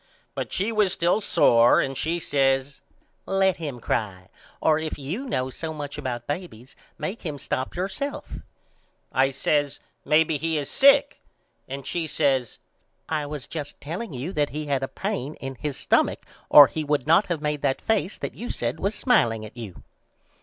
But she was still sore and she says Let him cry or if you know so much about babys make him stop yourself I says Maybe he is sick. And she says I was just telling you that he had a pane in his stumach or he would not of made that face that you said was smileing at you.